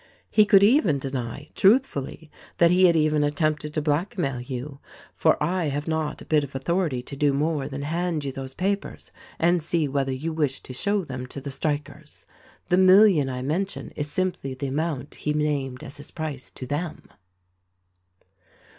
He could even deny — truthfully — that he had even attempted to blackmail you, for I have not a bit of authority to do more than hand you those papers and see whether you wish him to show them to the strikers. The million I mention is simply the amount he named as his price to them."